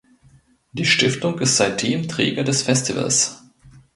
Die Stiftung ist seitdem Träger des Festivals.